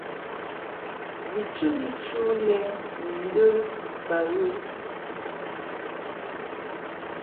Bi chəti chu lɛ ni ndə ba ghə.